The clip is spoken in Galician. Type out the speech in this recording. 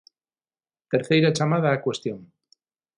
Terceira chamada á cuestión.